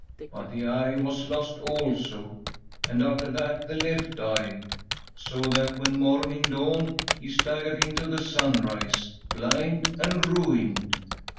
But the eye was lost also, and after that the left eye, so that, when morning dawned, he staggered into the sunrise, blind and ruined.